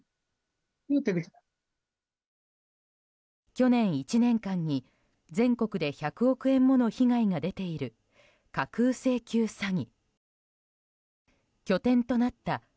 去年１年間に全国で１００億円もの被害が出ている架空請求詐欺。